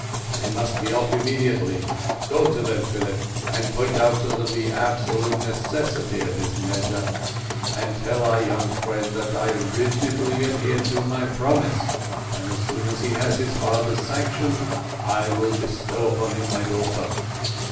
They must be off immediately. Go to them, Philip, and point out to them the absolute necessity of this measure, and tell our young friend that I rigidly adhere to my promise, and as soon as he has his father's sanction I will bestow upon him my daughter.